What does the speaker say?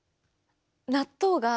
納豆が。